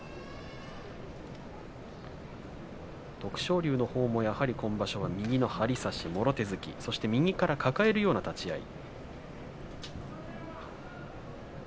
徳勝龍のほうもやはり今場所は右の張り差し、もろ手突き、そして右から抱えるような立ち合い。